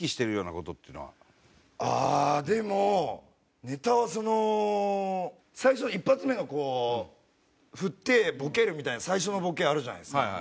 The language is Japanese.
ああでもネタはその最初一発目のこう振ってボケるみたいな最初のボケあるじゃないですか。